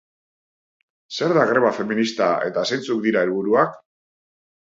Zer da greba feminista eta zeintzuk dira helburuak?